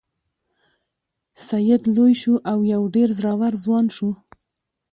سید لوی شو او یو ډیر زړور ځوان شو.